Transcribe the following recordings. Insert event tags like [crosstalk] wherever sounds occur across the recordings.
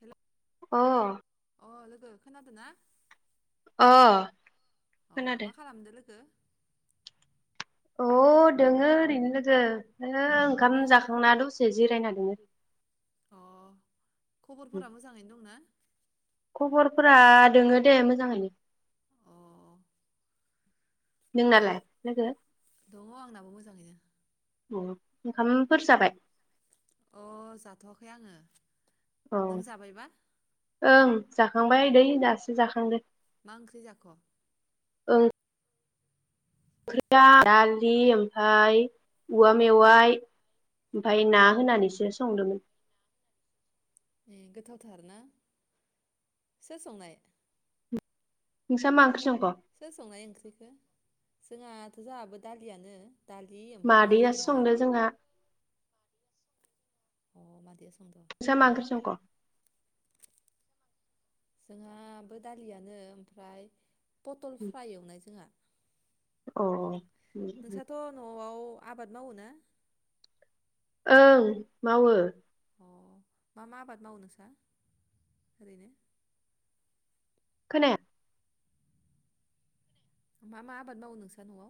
Hello अ। [inaudible] अ अ मा खोनादो। खालामदो लोगो अ दोङो ओरैनो लोगो ओंखाम जाखांना दसे जिरायना दङो। अ खबरफोरा मोजाङैनो दंना। दङो दे मोजाङानो। अ नोंनालाय लोगो। दङ आंनाबो मोजाङैनो अ ओंखामफोर जाबाय। अ जाथवाखै आङो औ नों जाबायबा? ओं अ जाखांबाय दै दासो जाखांदो मा ओंख्रि जाख' ओं ओंख्रिया दालि ओमफाय औवा मेवाइ ओमफाय ना होनानैसो संदोंमोन। ए गोथावथार ना सोर संनाय? नोंसा मा ओंख्रि सं सोर संनाय ओंख्रिखो? जोंहाथ जोहाबो दालियानो दालि ओमफ्राय मादैआसो जोंहा संदो जोंहा अ मादैया सं नोंस्रा मा ओंख्रि संख? जोंहाबो दालियानो ओमफ्राय पथल फ्राय एवनाय जोंहा अ उ उ नोंस्राथ' न'आव आबाद मावो ना? ओं मावो अ मा मा आबाद मावनो नोंसा ओरैनो? खोनाया मा मा आबाद मावो नोंसा न'आव?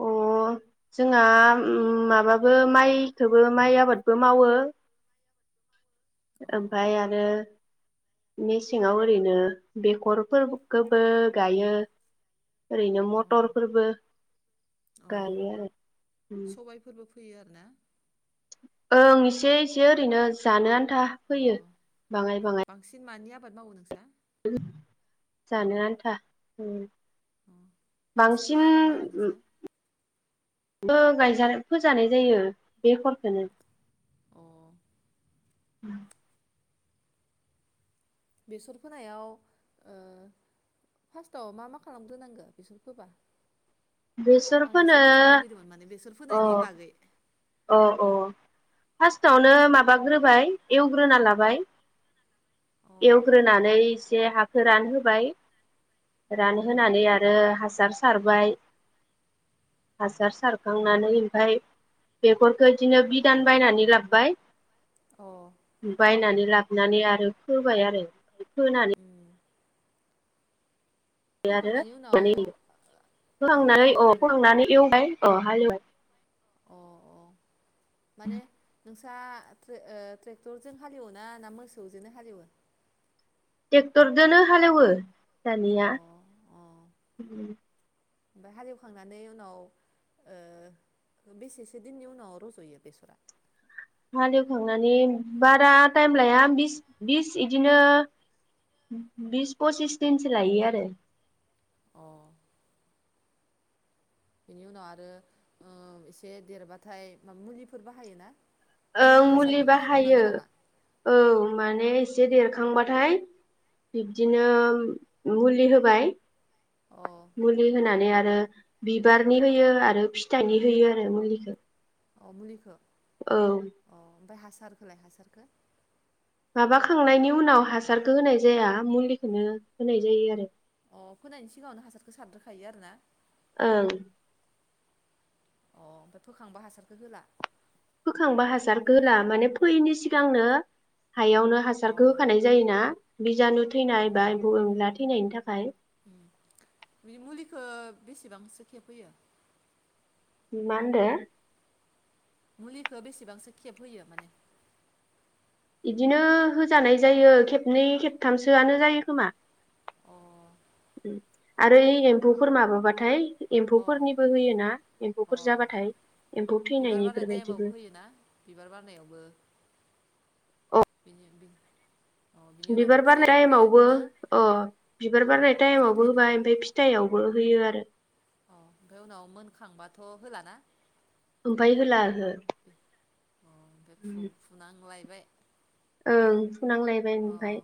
अ जोंहा माबाबो माइखोबो माइ आबादबो मावो। अ ओमफाय आरो मेसेङाव ओरैनो बेखरफोरखोबो गायो। ओरैनो अ मथरफोरबो अ गायो आरो उम। फोयो आरो ना? ओं एसे एसे ओरैनो जानो आन था अ फोयो बाङाय बाङाय बांसिन मानि आबाद मावो नोंसा? जानो आन्था उम अ मा बांसिन आबाद मावो नोंस्रा? ओ गायजा फोजानाय जायो बेखरखोनो अ [inaudible] बेसर फोनायाव ओ फार्स्टआव मा मा खालामग्रोनांगो बेसर फोबा? बेसर आं फोनो एसे मिथिनो लुगैदोंमोन माने बेसर अ फोनायनि बागै अ अ फार्स्टआवनो माबाग्रोबाय एवग्रोना लाबाय। अ एवग्रोनानै एसे हाखो रानहोबाय रानहोनानै आरो हासार सारबाय हासार सारखांनानै ओमफाय बेफोरखौ बिदिनो बिदान बायनानै लाब्बाय अ बायनानै लाब नानै आरो फोबाय आरो फोनानै उम बे आरो फोखांनायनि उनाव माने ओ मावनानै हालेवफिनो अ' आरोना? फोखांनानै एवबाय। [unintelligible] औ हालेवबाय। अ' अ' माने नोंसा ट्रेक ओ ट्रेक्टरजों हालेवोना ना मोसौजोंनो हालेवो? ट्रेक्टरजोंनो हालेवो अ दानिया। ओमफाय हालेवखांनानै उनाव ओ बेसेसो दिननि उनाव रज'यो बेसरा? हालेवखांनानै बारा टाइम लाया बिस बिस इदिनो बिस पसिस दिनसो लायो आरो। अ'। बेनि उनाव आरो ओ एसे देरबाथाय मुलिफोर बाहायोना? ओं मुलि हासारफोर बाहायो बाहायबावनांगोन नामा औ माने एसे देरखांबाथाय बिब्दिनो मुलि होबाय। अ मुलि होनानै आरो बिबारनि होयो आरो फिथाइनि होयो आरो मुलिखो। अ' मुलिखो। अ'ओमफाय हासा खोलाय हासारखो? माबाखांनायनि उनाव हासारखो होनाय जाया मुलिखोनो होनाय जायो आरो। अ' फोनायनि सिगाङावनो हासारखो सारग्रो खायो आरोना? ओं। अ' ओमफाय फोखांबा हासारखो होला? होखांबा हासारखो होला माने फोयैनि सिगांनो हायावनो अ हासारखो होखानाय जायोना बिजानु उम थैनाय बा उम एम्फौ एनला थैनायनि थाखाय। उम बे मुलिखौ बेसेबांसो खेब होयो? मा होनदो? मुलिखो बेसेबांसो खेब होयो माने? बिदिनो होजानाय जायो खेबनै खेबथामसोआनो जायो खोमा। अ आरो एम्फौफोर माबाबाथाय अ एम्फौफोरनिबो होयोना एम्फौफोर अ जाबाथाय एम्फौ बिबार बारनाय थैनायनिफोर टाइमावबो बायदिबो। होयो ना बिबार बिदि बि बिबार बारनाय टाइमावबो ओ बिबार अ बारनाय ओमफ्राय फिथाइ टाइमावबो थायनाय होबाय ओमफाय फिथाइआवबो होयो आरो। अ' ओमफाय उनाव मोनखांबाथ' होलाना? ओमफाय होला ओहो। [unintelligible] अ' ओमफाय फु फुनांलाय बाय। ओं फुनांलायबाय ओमफाय।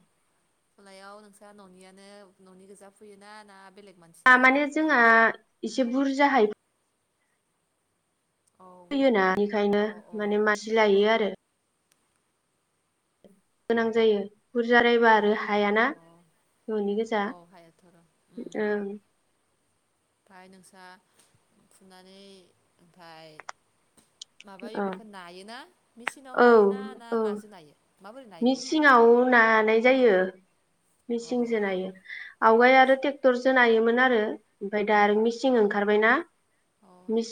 फुनायाव नोंसा न'नियानो न'नि गोजा फुयोना ना बेलेग मानसि आह माने लानानै फुयो जोंहा एसे बुरजाहाय औ फोयोना बेनिखायनो औ औ माने मानसि लायो आरो। गोनां जायो बुरजा रायबा आरो उम हायाना अ न'नि गोजा औ हायाथ' र' उम ओमफ्राय नोंसा फुनानै ओमफाय माबायो औ बेखौ नायोना मेचिनाव औ नायोना ना औ माजों नायो माबोरै नायो बेखौ मिसिङाव नानाय जायो अ मिसिंजो नायो अ आवगाय आरो ट्रेक्टरजों नायोमोन आरो ओमफ्राय दा आरो अ मिसिं ओंखारबाय ना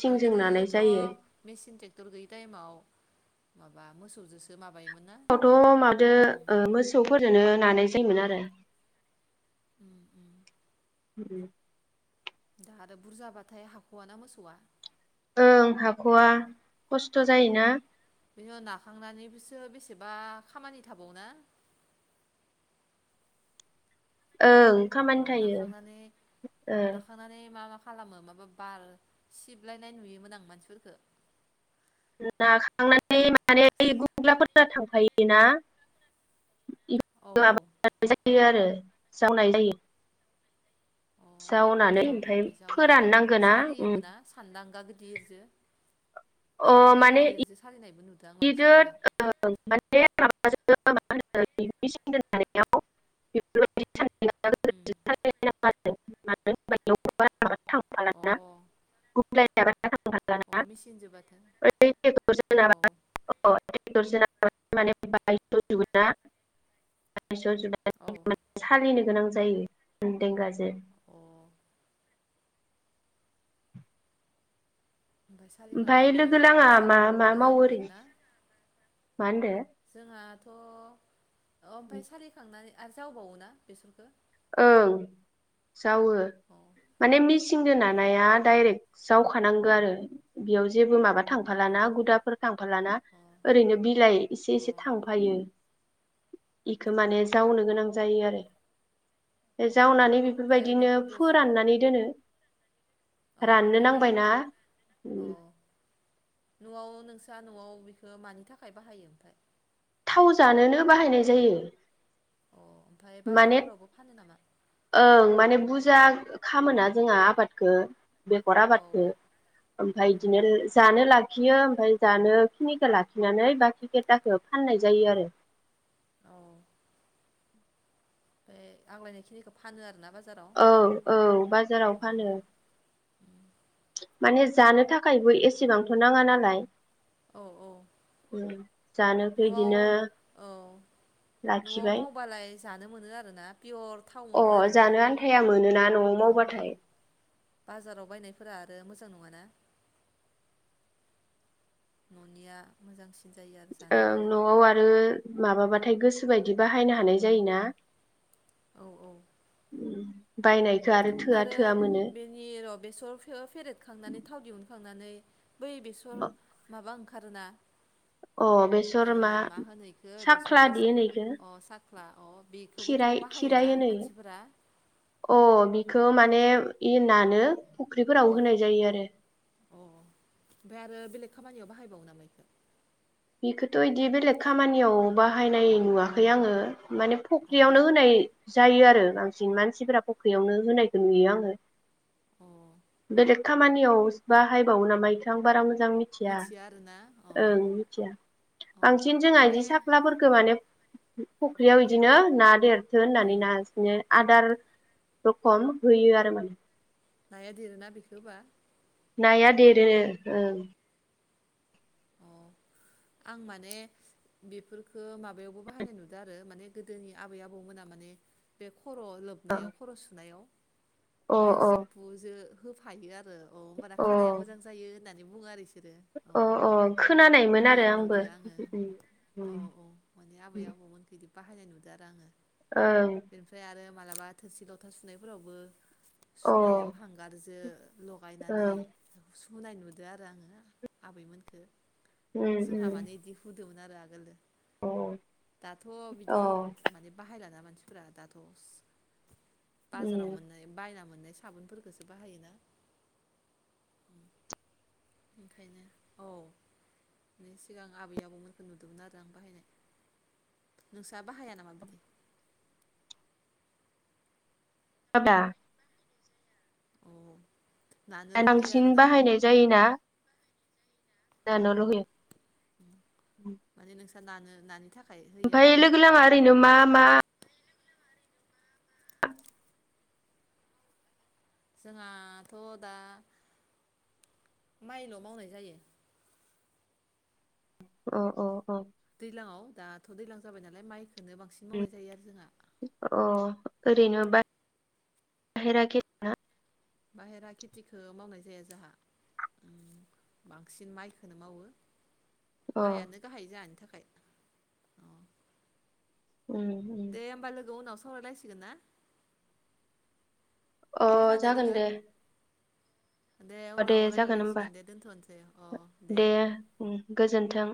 आरो गोदोथ' मिसिनजों टेक्टर गैयै टाइमाव मा मोसौजोंसो माबा माबायोमोन ना फावथ' मादो उम मोसौफोरजोनो नानाय जायोमोन आरो [inaudible] उम हा थ' बुरजाबाथाय हाखव ना मोसौआ ओं हाखव खस्थ' अ जायोना बा खामानि थाबावोना ओं अ खामानि थायो नाखांनानै ओ नाखांनानै मा मा खालामो माबा बार सिबलायनाय नुयोमोन आं मानसिफोरफोरखौ नाखांनानै माने गुग्लागफोर थांफायोना औ औ आबाद जायो आरो जावनाय जायो अ अ जावनानै जावो ओमफ्राय फोरान जावनानै नांगोना उम सालियोबो ना सानदांगा गिदिरजो सान्दांगा गिदिर जो सालिनायबो नुदों आं बिदो मानसिफोरखो माने माबा उम [unintelligible] [unintelligible] [unintelligible] अ थांफालाना [unintelligible] अ थांफालाना मेचिन जोबाथ' ओइ ट्रेक्टरजों [inaudible] अ नाबा [unintelligible] औ [unintelligible] सालिनो गोनां जायो। अ'। ओमफाय ओमफ्राय सालिखांनानै लोगो लाङा मा मा जावबावबा मावो नांगोन ओरैनो ना? मा होनदो? जोंहाथ' ओमफाय सालिखांनानै आरो जावबावोना बेसरखो? ओं। जावो अ माने मिसिंदो अ नानाया डाइरेक्ट जावखानांगो आरो बेयाव जेबो माबा अ थांफालाना गुदाफोर थांफालाना ओरैनो बिलाइ इसे अ इसे थांफायो। इखो माने जावनो गोनां जायो आरो। ओ अ जावनानै ओमफ्राय बेफोरबायदिनो बेफोर बेस फोराननानै दोनो। अ राननो फोराननानै नांबायना उनाव अ उम। न'आव नोंस्रा न'आव बिखो मानि थाखाय बाहायो ओमफ्राय? थाव जानोनो बाहायनाय जायो। अ ओमफ्राय माने बाजारफोरावबो फानो नामा ओं माने बुज जा खामोना जोंहा आबादखो। बेगर औ आबादखो ओमफाय उम इदिनो जानो ला लाखियो ओमफाय जानो खिनिखौ लाखिनानै बाखि खिथाखो फाननाय जायो आरो। औ। बे आग्लायनाय खिनिखौ फानो आरोना बाज औ औ बाजाराव फानो। माने जानो थाखायबो एसेबांथ' नाङा नालाय। औ औ जानो न'आव इदिनो औ न'आव लाखिबाय मावबालाय जानो मोनो आरोना पियर थाव अ मोनो आरोना जानो आन्थाया मोनोना न'आव [inaudible] औ औ। मावबाथाय बाजाराव बायनायफोरा आरो मोजां नङाना। न'निया मोजांसिन। जायो आरो जानो ओं थाखाय न'आव आरो माबाबाथा थाय गोसो बायदि बाहायनो हानाय जायोना। औ उम। बायनाय आरो बेनि र' बेसरखो फेरेद खांनानै थाव दिहुन खांनानै बै बेसर माबा ओं खारोना अ ओ बेसर मा होनो इखो बेसरनि साख्लादि सा होनो इखो अ साख्ला अ बेखौबोथ' खिराय खिराय बाहायोना होनो मानसिफोरा बेखौ माने इ नानो फुख्रिफोराव औ होनाय जायो आरो अ ओमफ्राय आरो बेलेग खामानियाव बाहायबावो नामा इखो बेखौथ' बिदि बेलेग खामानियाव बाहायनाय नुवाखै आङो माने अ फख्रियावनो होनाय जायो आरो बांसिन मानसिफोरा फख्रियावनो होनायखौ नुयो आङो अ बेलेग खामानियाव बाहायबावो नामा इखो आं बारा मोजां मिथिया आरोना औ ओं मिथिया औ बांसिन जोंहा इदि माने सख्लाफोरखौ औ माने फुख्रियाव बिदिनो ना देर थो होननानै उम नानो आदार रखम होयो आरो माने नाया देरोना बेखौ होबा नाया देरो ओं अ आं माने बेफोरखो माबायावबो बाहायनाय नुदों आरो माने गोदोनि आबै आबौमोना माने बे खर' लोबनायाव खर' सुनायाव ओं माने अ सिम्फुजो होफायो आरो अ होमबाना अ खानाया मोजां जायो होननानै बुङो आरो औ अ अ खोनानायमोन बिदि आरो आंबो नुदो आङो उम औ उम औ माने आबै आबौमोनखो बाहायनाय नुदों आरो आङो ओं ओमफ्राय आरो मालाबा थोरसि लथा सुनायफोरावबो अ सुनायाव ओं हांगारजों लगायनानै हुनाय नुदों आरो आङो आबैमोनखो उम जोंहा उम माने बिदि हु दा दंनो आरो आगोलो अ दाथ' अ बिदि माने बाहायलाना माने फोरा दाथ' बाजारव उम मोन्नाय बायना मो नाय साबोनफोरखौसो बाहायोना। ओंखायनो औ माने सिगां आबै आबौमोनखौ नुदोंमोन आरो आं बाहायनाय नोंसा बाहाया नामा बिदि? [unintelligible] अ। [unintelligible] बांसिन बाहायनाय जायोना। औ नानोल' औ होयो उम्म। माने नोंस्रा नानो नानि थाखाय होयो ओमफाय आरोना लोगोलाङा ओरैनो मा मा जोङाथ' दा माइल' मावनाय जायो। अ अ। दैलांआव दाथ' दैलां जाबाय नालाय माइ खोनो बांसिन मावनाय जायो आरो जोङा अ ओरैनो बा हेरा [inaudible] बाहेरा खेथिखो मावनाय जाया जोहा ओं बांसिन माइखोनो मावो। अ माइआनो गाहाय जाहानि थाखाय। अ उम उम दे होमबा लोगो उनाव सावरायलायसिगोन ना? अ खोनादो जागोन लोगो दे। दे अ उनाव जागोन होमबा रायलायलायसिगोन दे दोनथ'नोसै अ दे। उम गोजोन्थों।